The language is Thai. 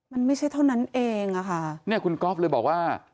มันไม่ใช่เท่านั้นเองอะค่ะเนี่ยคุณก๊อฟเลยบอกว่า